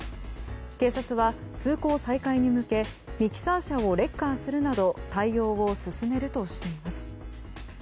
警察は通行再開に向けミキサー車をレッカーするなど対応を進めるとしています。